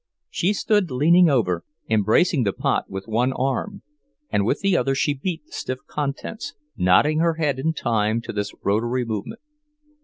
She stood leaning over, embracing the pot with one arm, and with the other she beat the stiff contents, nodding her head in time to this rotary movement.